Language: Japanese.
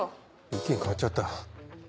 意見変わっちゃった。